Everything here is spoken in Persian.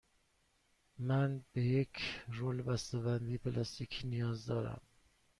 من به یک رول بسته بندی پلاستیکی نیاز دارم.